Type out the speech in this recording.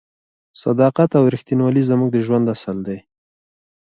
صداقت او رښتینولي زموږ د ژوند اصل دی.